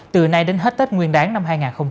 từ nay đến hết tết nguyên đáng năm hai nghìn hai mươi